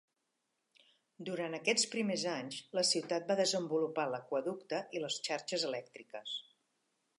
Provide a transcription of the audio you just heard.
Durant aquests primers anys, la ciutat va desenvolupar l'aqüeducte i les xarxes elèctriques.